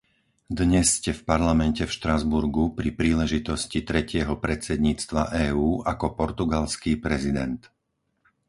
Dnes ste v parlamente v Štrasburgu pri príležitosti tretieho predsedníctva EÚ ako portugalský prezident.